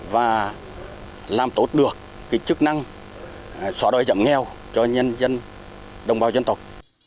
và làm tốt được chức năng xóa đói giảm nghèo cho nhân dân đồng bào dân tộc